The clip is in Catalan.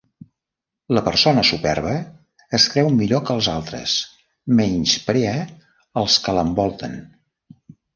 La persona superba es creu millor que els altres, menysprea els que l'envolten.